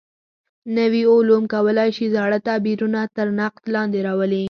نوي علوم کولای شي زاړه تعبیرونه تر نقد لاندې راولي.